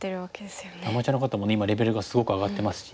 アマチュアの方もね今レベルがすごく上がってますし